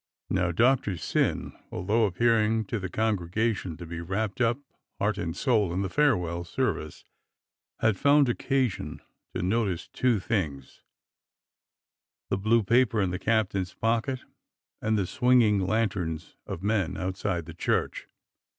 Now Doctor Syn, although appearing to the congregation to be wrapped up heart and soul in the farewell service, had found occasion to notice two things: the blue paper in the captain's pocket and the swinging lanterns of men outside the church.